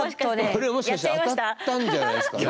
これもしかして当たったんじゃないっすかね？